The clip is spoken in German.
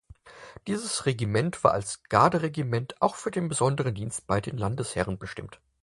Dieses Regiment war als Garderegiment auch für den besonderen Dienst bei den Landesherren bestimmt.